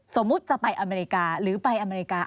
สมมุติจะไปอเมริกาหรือไปอเมริกา